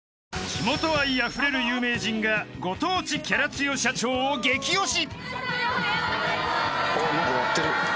［地元愛あふれる有名人がご当地キャラ強社長をゲキオシ］